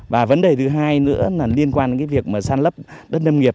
và vấn đề thứ hai nữa là liên quan đến việc san lấp đất nâm nghiệp